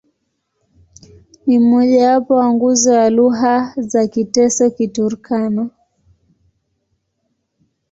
Ni mmojawapo wa nguzo ya lugha za Kiteso-Kiturkana.